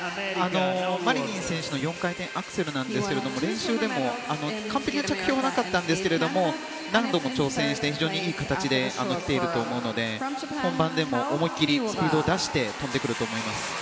マリニン選手の４回転アクセルですが練習でも完璧な着氷はなかったんですけど何度も挑戦して非常にいい形で来ていると思うので本番でもスピードを出して跳んでくると思います。